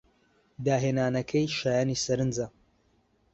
داهێنانەکەی شایانی سەرنجە.